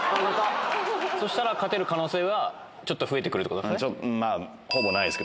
そしたら勝てる可能性は、ちょっと増えてくるということですか。